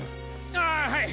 あっはい！